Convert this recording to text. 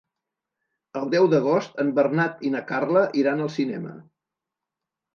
El deu d'agost en Bernat i na Carla iran al cinema.